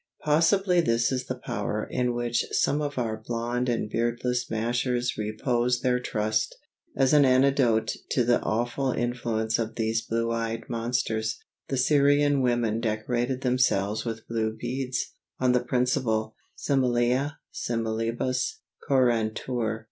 Possibly this is the power in which some of our blond and beardless "mashers" repose their trust. As an antidote to the awful influence of these blue eyed monsters, the Syrian women decorated themselves with blue beads, on the principle similia similibus curantur.